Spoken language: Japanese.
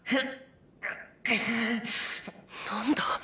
何だ？